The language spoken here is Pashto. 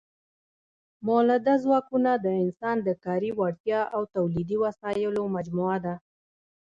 مؤلده ځواکونه د انسان د کاري وړتیا او تولیدي وسایلو مجموعه ده.